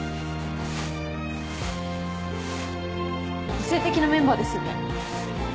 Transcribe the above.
個性的なメンバーですよね。